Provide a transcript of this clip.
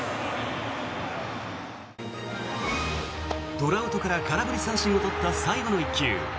トラウトから空振り三振を取った最後の１球。